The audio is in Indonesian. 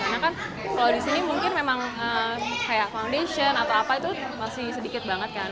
karena kan kalau di sini mungkin memang kayak foundation atau apa itu masih sedikit banget kan